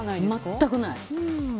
全くない。